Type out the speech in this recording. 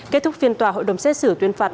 kết thúc phiên tòa hội đồng xét xử tuyên phạt